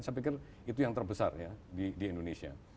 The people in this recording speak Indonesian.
saya pikir itu yang terbesar ya di indonesia